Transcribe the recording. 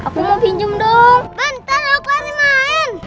bentar aku hari main